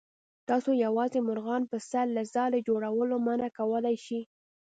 تاسو یوازې مرغان په سر له ځالې جوړولو منع کولی شئ.